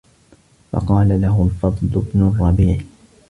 فَقَالَ لَهُ الْفَضْلُ بْنُ الرَّبِيعِ